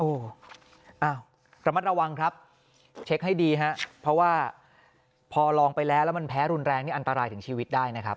โอ้โหอ้าวระมัดระวังครับเช็คให้ดีฮะเพราะว่าพอลองไปแล้วแล้วมันแพ้รุนแรงนี่อันตรายถึงชีวิตได้นะครับ